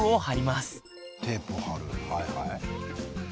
はいはい。